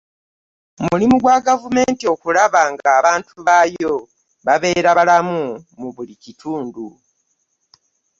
mulimu gwa gavumenti okulaba nga abantu baayo babeera balamu mu buli kitundu